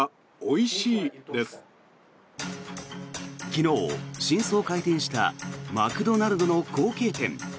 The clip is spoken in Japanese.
昨日、新装開店したマクドナルドの後継店。